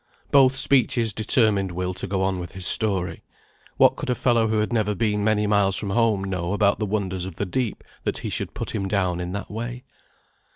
Both speeches determined Will to go on with his story. What could a fellow who had never been many miles from home know about the wonders of the deep, that he should put him down in that way?